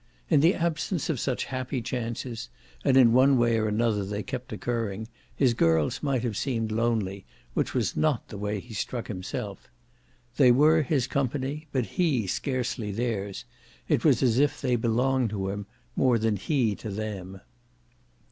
In the absence of such happy chances and in one way or another they kept occurring his girls might have seemed lonely, which was not the way he struck himself. They were his company but he scarcely theirs; it was as if they belonged to him more than he to them.